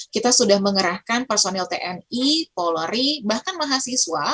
kita sudah mengerahkan personil tni polri bahkan mahasiswa